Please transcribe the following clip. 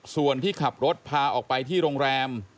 ส่วนที่ขับรถพาออกไปที่โรงแรม